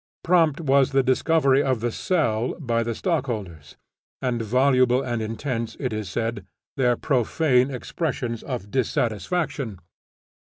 Prompt was the discovery of the "sell" by the stockholders, and voluble and intense, it is said, their profane expressions of dissatisfaction.